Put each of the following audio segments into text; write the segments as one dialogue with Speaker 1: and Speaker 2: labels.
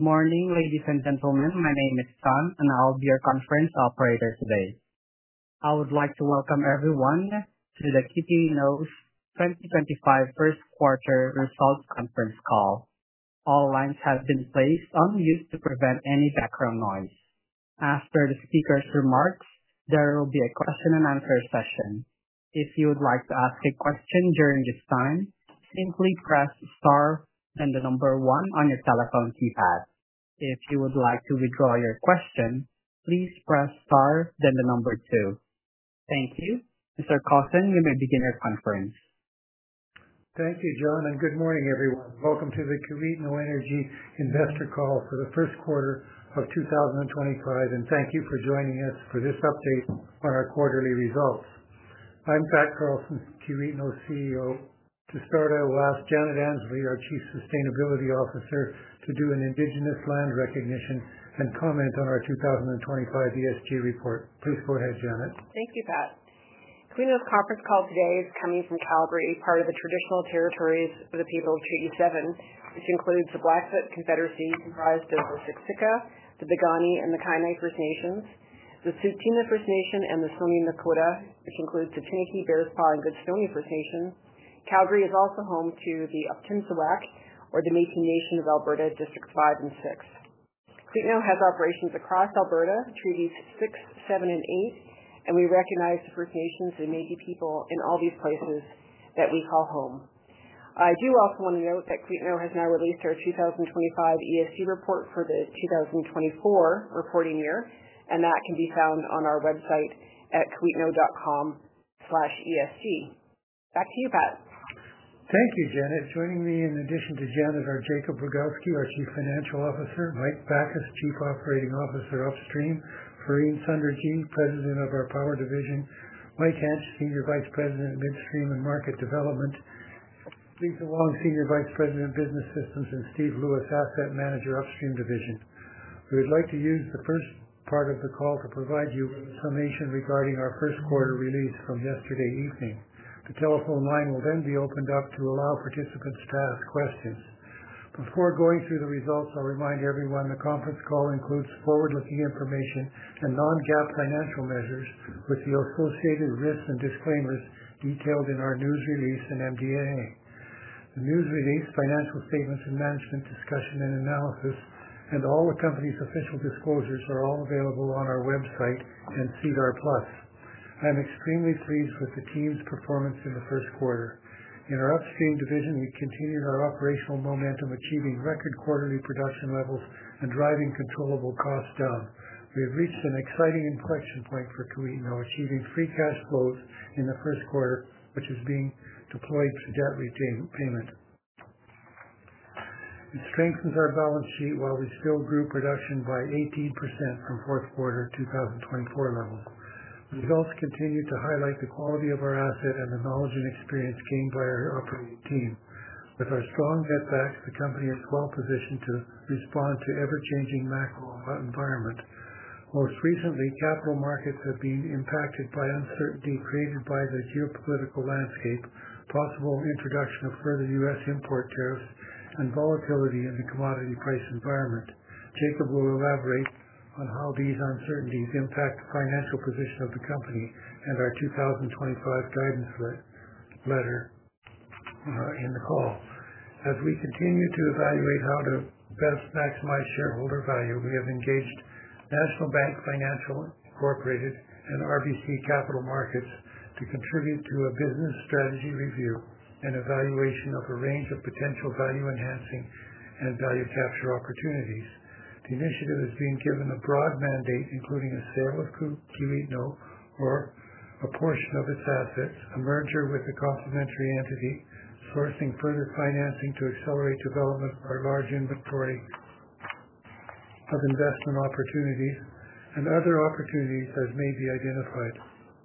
Speaker 1: Good morning, ladies and gentlemen. My name is John, and I'll be your conference operator today. I would like to welcome everyone to the Kiwetinohk 2025 first quarter results conference call. All lines have been placed on mute to prevent any background noise. After the speaker's remarks, there will be a question-and-answer session. If you would like to ask a question during this time, simply press star, then the number one on your telephone keypad. If you would like to withdraw your question, please press star, then the number two. Thank you. Mr. Carlson, you may begin your conference.
Speaker 2: Thank you, John, and good morning, everyone. Welcome to the Kiwetinohk Energy Investor Call for the first quarter of 2025, and thank you for joining us for this update on our quarterly results. I'm Pat Carlson, Kiwetinohk CEO. To start, I will ask Janet Annesley, our Chief Sustainability Officer, to do an indigenous land recognition and comment on our 2025 ESG report. Please go ahead, Janet.
Speaker 3: Thank you, Pat. The Kiwetinohk conference call today is coming from Calgary, part of the traditional territories of the people of Treaty 7, which includes the Blackfoot Confederacy comprised of the Siksika, the Piikani, and the Kainai First Nations, the Tsúùtínà First Nation, and the Stoney Nakoda, which includes the Chiniki, Bearspaw, and Goodstoney First Nations. Calgary is also home to the Otipemisiwak, or the Métis Nation of Alberta, Districts 5 and 6. Kiwetinohk has operations across Alberta Treaties 6, 7, and 8, and we recognize the First Nations and Métis people in all these places that we call home. I do also want to note that Kiwetinohk has now released our 2025 ESG report for the 2024 reporting year, and that can be found on our website at kiwetinohk.com/esg. Back to you, Pat.
Speaker 2: Thank you, Janet. Joining me, in addition to Janet, are Jakub Brogowski, our Chief Financial Officer; Mike Backus, Chief Operating Officer Upstream; Fareen Sunderji, President of our Power Division; Mike Hantzsch, Senior Vice President of Midstream and Market Development; Lisa Wong, Senior Vice President of Business Systems; and Steve Lewis, Asset Manager, Upstream Division. We would like to use the first part of the call to provide you with a summation regarding our first quarter release from yesterday evening. The telephone line will then be opened up to allow participants to ask questions. Before going through the results, I'll remind everyone the conference call includes forward-looking information and non-GAAP financial measures with the associated risks and disclaimers detailed in our news release and MD&A. The news release, financial statements, and management discussion and analysis, and all the company's official disclosures are all available on our website and SEDAR+. I'm extremely pleased with the team's performance in the first quarter. In our Upstream Division, we continued our operational momentum, achieving record quarterly production levels and driving controllable costs down. We have reached an exciting inflection point for Kiwetinohk, achieving free cash flows in the first quarter, which is being deployed to debt repayment. It strengthens our balance sheet while we still grew production by 18% from fourth quarter 2024 levels. The results continue to highlight the quality of our asset and the knowledge and experience gained by our operating team. With our strong netbacks, the company is well positioned to respond to ever-changing macro environment. Most recently, capital markets have been impacted by uncertainty created by the geopolitical landscape, possible introduction of further U.S. import tariffs, and volatility in the commodity price environment. Jakub will elaborate on how these uncertainties impact the financial position of the company and our 2025 guidance letter in the call. As we continue to evaluate how to best maximize shareholder value, we have engaged National Bank Financial Incorporated and RBC Capital Markets to contribute to a business strategy review and evaluation of a range of potential value-enhancing and value-capture opportunities. The initiative has been given a broad mandate, including a sale of Kiwetinohk or a portion of its assets, a merger with a complementary entity, sourcing further financing to accelerate development of our large inventory of investment opportunities, and other opportunities as may be identified.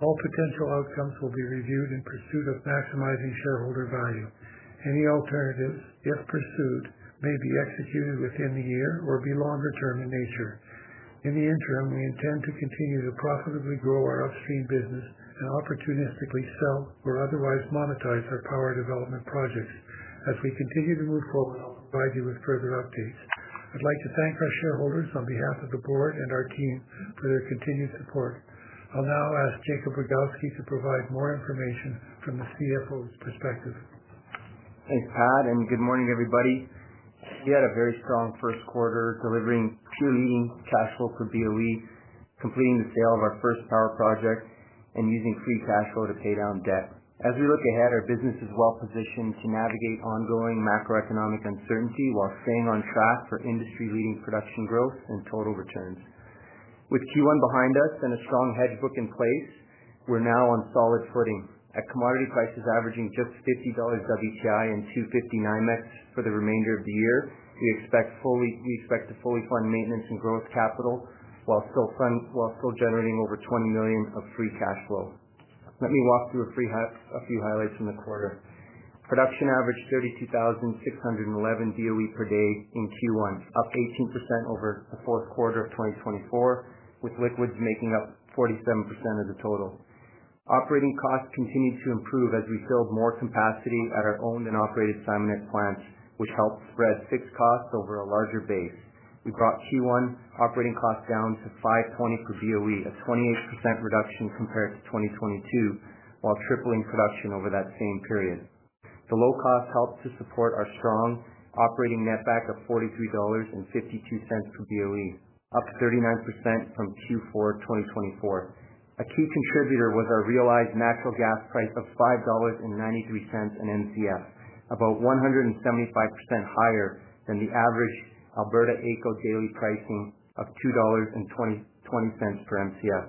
Speaker 2: All potential outcomes will be reviewed in pursuit of maximizing shareholder value. Any alternatives, if pursued, may be executed within the year or be longer-term in nature. In the interim, we intend to continue to profitably grow our Upstream business and opportunistically sell or otherwise monetize our power development projects. As we continue to move forward, I'll provide you with further updates. I'd like to thank our shareholders on behalf of the board and our team for their continued support. I'll now ask Jakub Brogowski to provide more information from the CFO's perspective.
Speaker 4: Thanks, Pat, and good morning, everybody. We had a very strong first quarter, delivering peer-leading cash flow per BOE, completing the sale of our first power project, and using free cash flow to pay down debt. As we look ahead, our business is well positioned to navigate ongoing macroeconomic uncertainty while staying on track for industry-leading production growth and total returns. With Q1 behind us and a strong hedge book in place, we're now on solid footing. At commodity prices averaging just 50 dollars WTI and 2.59 NYMEX for the remainder of the year, we expect to fully fund maintenance and growth capital while still generating over 20 million of free cash flow. Let me walk through a few highlights from the quarter. Production averaged 32,611 BOE per day in Q1, up 18% over the fourth quarter of 2024, with liquids making up 47% of the total. Operating costs continued to improve as we filled more capacity at our owned and operated Simonette plants, which helped spread fixed costs over a larger base. We brought Q1 operating costs down to 520 per BOE, a 28% reduction compared to 2022, while tripling production over that same period. The low cost helped to support our strong operating netback of CAD 43.52 per BOE, up 39% from Q4 2024. A key contributor was our realized natural gas price of 5.93 dollars an Mcf, about 175% higher than the average Alberta AECO daily pricing of 2.20 dollars per Mcf.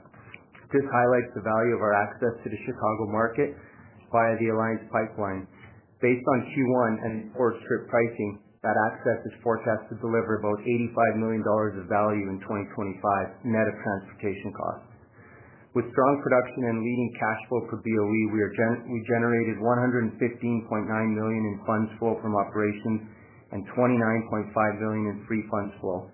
Speaker 4: This highlights the value of our access to the Chicago market via the Alliance Pipeline. Based on Q1 and forward-script pricing, that access is forecast to deliver about 85 million dollars of value in 2025 net of transportation costs. With strong production and leading cash flow per BOE, we generated 115.9 million in funds flow from operations and 29.5 million in free funds flow.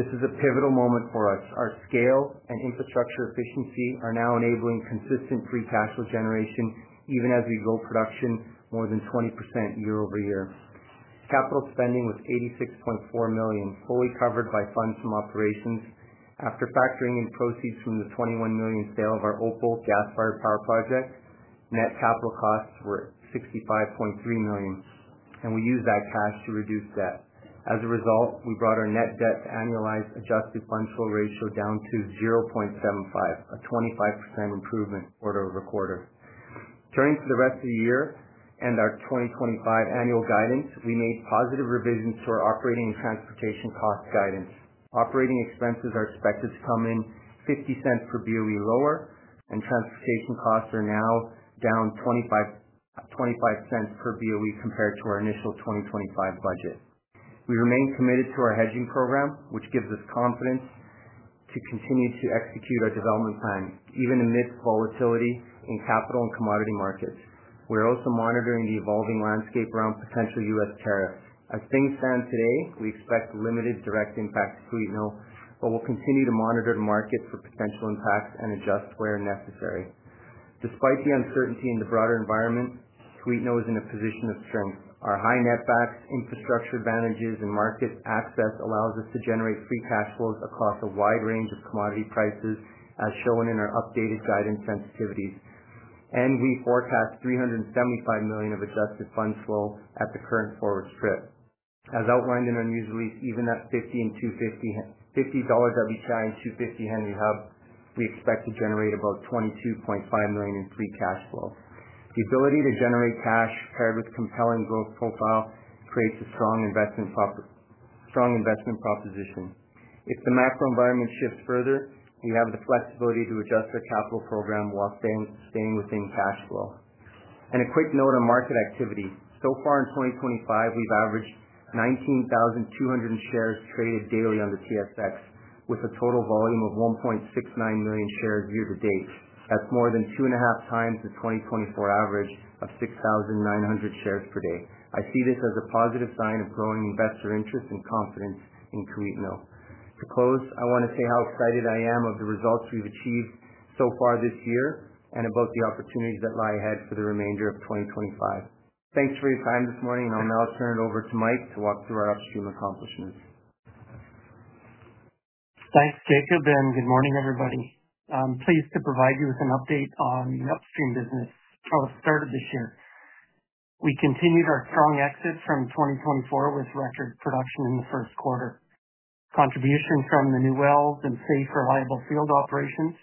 Speaker 4: This is a pivotal moment for us. Our scale and infrastructure efficiency are now enabling consistent free cash flow generation, even as we grow production more than 20% year-over-year. Capital spending was 86.4 million, fully covered by funds from operations. After factoring in proceeds from the 21 million sale of our Opal gas-fired power project, net capital costs were 65.3 million, and we used that cash to reduce debt. As a result, we brought our net debt to annualized adjusted funds flow ratio down to 0.75, a 25% improvement quarter-over-quarter. Turning to the rest of the year and our 2025 annual guidance, we made positive revisions to our operating and transportation cost guidance. Operating expenses are expected to come in 0.50 per BOE lower, and transportation costs are now down 0.25 per BOE compared to our initial 2025 budget. We remain committed to our hedging program, which gives us confidence to continue to execute our development plan, even amidst volatility in capital and commodity markets. We are also monitoring the evolving landscape around potential U.S. tariffs. As things stand today, we expect limited direct impact to Kiwetinohk, but we will continue to monitor the market for potential impacts and adjust where necessary. Despite the uncertainty in the broader environment, Kiwetinohk is in a position of strength. Our high netbacks, infrastructure advantages, and market access allow us to generate free cash flows across a wide range of commodity prices, as shown in our updated guidance sensitivities. We forecast 375 million of adjusted funds flow at the current forward script. As outlined in our news release, even at 50 and 250 WTI and 250 Henry Hub, we expect to generate about 22.5 million in free cash flow. The ability to generate cash paired with compelling growth profile creates a strong investment proposition. If the macro environment shifts further, we have the flexibility to adjust our capital program while staying within cash flow. A quick note on market activity. So far in 2025, we've averaged 19,200 shares traded daily on the TSX, with a total volume of 1.69 million shares year to date. That's more than 2.5x the 2024 average of 6,900 shares per day. I see this as a positive sign of growing investor interest and confidence in Kiwetinohk. To close, I want to say how excited I am of the results we've achieved so far this year and about the opportunities that lie ahead for the remainder of 2025. Thanks for your time this morning, and I'll now turn it over to Mike to walk through our Upstream accomplishments.
Speaker 5: Thanks, Jakub, and good morning, everybody. I'm pleased to provide you with an update on the Upstream business. How it started this year. We continued our strong exit from 2024 with record production in the first quarter. Contribution from the new wells and safe, reliable field operations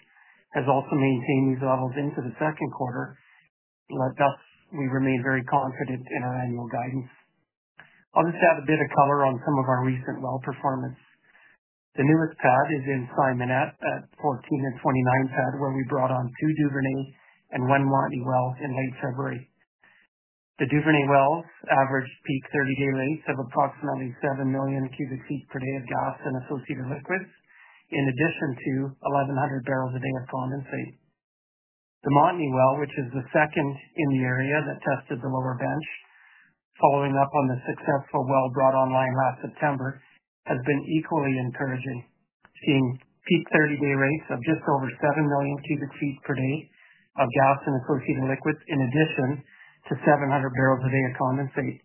Speaker 5: has also maintained these levels into the second quarter. Thus, we remain very confident in our annual guidance. I'll just add a bit of color on some of our recent well performance. The newest pad is in Simonette at 14 and 29 pad, where we brought on two Duvernay and one Montney well in late February. The Duvernay wells averaged peak 30-day rates of approximately 7 million cu ft per day of gas and associated liquids, in addition to 1,100 bbl a day of condensate. The Montney well, which is the second in the area that tested the lower bench, following up on the successful well brought online last September, has been equally encouraging, seeing peak 30-day rates of just over 7 million cu ft per day of gas and associated liquids, in addition to 700 bbl a day of condensate.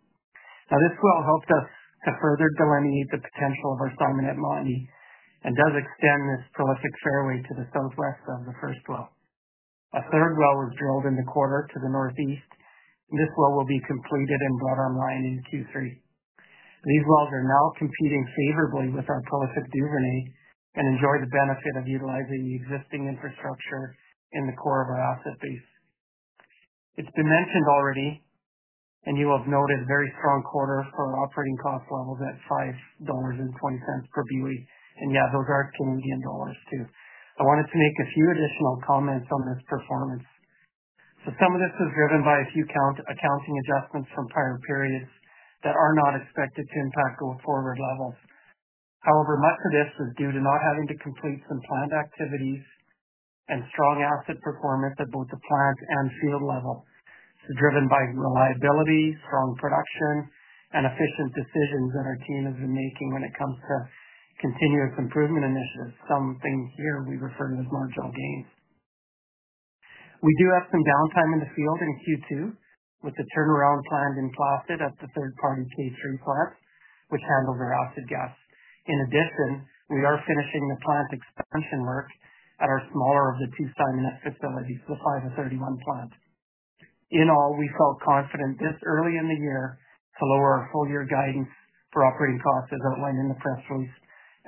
Speaker 5: Now, this well helped us to further delineate the potential of our Simonette-Montney and does extend this prolific fairway to the southwest of the first well. A third well was drilled in the quarter to the northeast, and this well will be completed and brought online in Q3. These wells are now competing favorably with our prolific Duvernay and enjoy the benefit of utilizing the existing infrastructure in the core of our asset base. has been mentioned already, and you will have noted a very strong quarter for operating cost levels at 5.20 dollars per BOE. Yeah, those are Canadian dollars, too. I wanted to make a few additional comments on this performance. Some of this was driven by a few accounting adjustments from prior periods that are not expected to impact forward levels. However, much of this was due to not having to complete some planned activities and strong asset performance at both the plant and field level. It is driven by reliability, strong production, and efficient decisions that our team has been making when it comes to continuous improvement initiatives, something here we refer to as marginal gains. We do have some downtime in the field in Q2 with the turnaround planned in Placid at the third-party K3 plant, which handles our acid gas. In addition, we are finishing the plant expansion work at our smaller of the two Simonette facilities, the 5-31 plant. In all, we felt confident this early in the year to lower our full-year guidance for operating costs, as outlined in the press release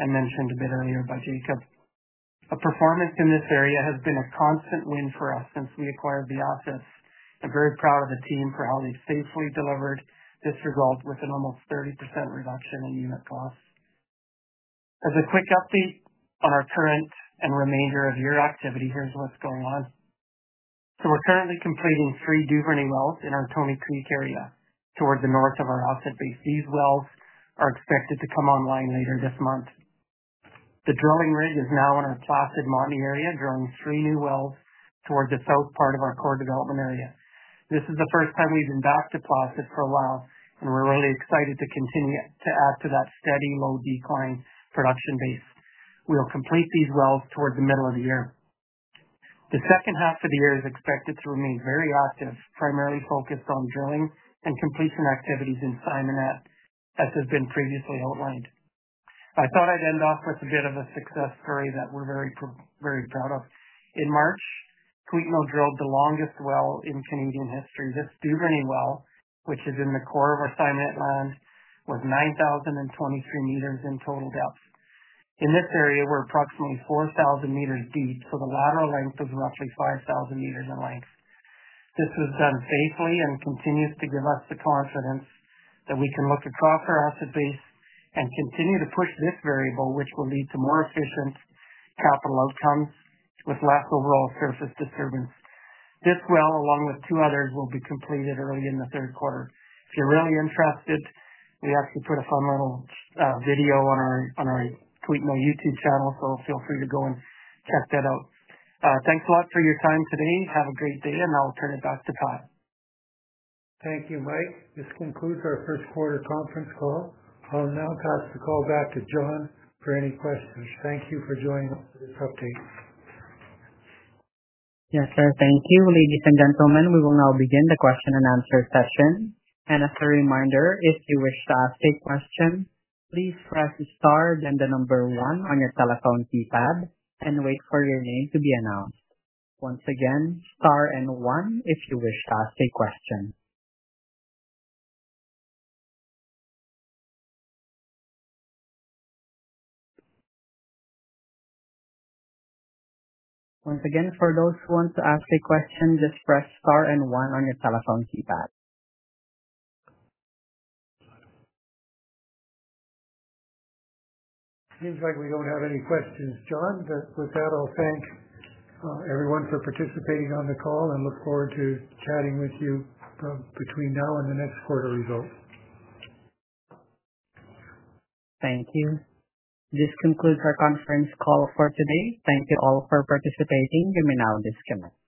Speaker 5: and mentioned a bit earlier by Jakub. A performance in this area has been a constant win for us since we acquired the assets. I'm very proud of the team for how they've safely delivered this result with an almost 30% reduction in unit costs. As a quick update on our current and remainder of year activity, here's what's going on. We are currently completing three Duvernay wells in our Tony Creek area toward the north of our asset base. These wells are expected to come online later this month. The drilling rig is now in our Placid-Montney area, drilling three new wells toward the south part of our core development area. This is the first time we've been back to Placid for a while, and we're really excited to continue to add to that steady, low-decline production base. We'll complete these wells toward the middle of the year. The second half of the year is expected to remain very active, primarily focused on drilling and completion activities in Simonette, as has been previously outlined. I thought I'd end off with a bit of a success story that we're very proud of. In March, Kiwetinohk drilled the longest well in Canadian history. This Duvernay well, which is in the core of our Simonette land, was 9,023 meters in total depth. In this area, we're approximately 4,000 meters deep, so the lateral length was roughly 5,000 meters in length. This was done safely and continues to give us the confidence that we can look across our asset base and continue to push this variable, which will lead to more efficient capital outcomes with less overall surface disturbance. This well, along with two others, will be completed early in the third quarter. If you're really interested, we actually put a fun little video on our Kiwetinohk YouTube channel, so feel free to go and check that out. Thanks a lot for your time today. Have a great day, and I'll turn it back to Pat.
Speaker 2: Thank you, Mike. This concludes our first quarter conference call. I'll now pass the call back to John for any questions. Thank you for joining us for this update.
Speaker 1: Yes, sir. Thank you, ladies and gentlemen. We will now begin the question and answer session. As a reminder, if you wish to ask a question, please press star then the number one on your telephone keypad and wait for your name to be announced. Once again, star and one if you wish to ask a question. For those who want to ask a question, just press star and one on your telephone keypad.
Speaker 2: Seems like we don't have any questions, John. With that, I'll thank everyone for participating on the call and look forward to chatting with you between now and the next quarter results.
Speaker 1: Thank you. This concludes our conference call for today. Thank you all for participating. You may now disconnect.